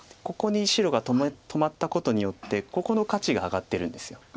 ここに白が止まったことによってここの価値が上がってるんです。